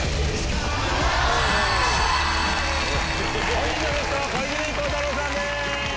本日のゲスト小泉孝太郎さんです。